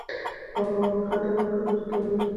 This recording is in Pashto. پانګوال د خطر او ګټې توازن سنجوي.